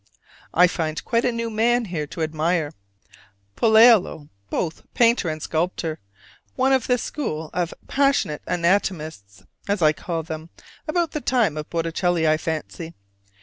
I find quite a new man here to admire Pollaiolo, both painter and sculptor, one of the school of "passionate anatomists," as I call them, about the time of Botticelli, I fancy.